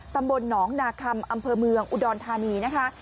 ตำบลหนองนาคัมอำเภอเมืองอุดรธานีนะคะ